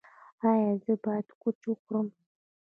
ایا زه باید کوچ وخورم؟